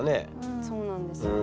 そうなんですよ。